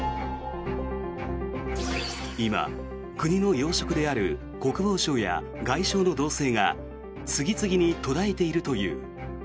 今、国の要職である国防相や外相の動静が次々に途絶えているという。